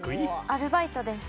アルバイトです。